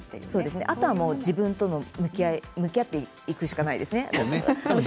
あとは自分と向き合っていくしかないですね。